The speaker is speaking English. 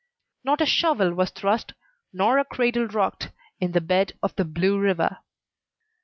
Not a shovel was thrust nor a cradle rocked in the bed of the Blue River.